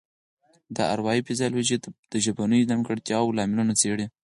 اروايي فزیولوژي د ژبنیو نیمګړتیاوو لاملونه څیړي